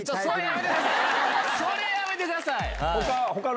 それやめてください！